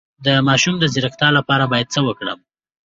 د ماشوم د ځیرکتیا لپاره باید څه وکړم؟